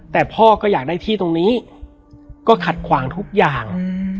แต่พ่อก็อยากได้ที่ตรงนี้ก็ขัดขวางทุกอย่าง